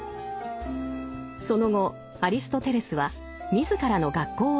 その後アリストテレスは自らの学校を作りました。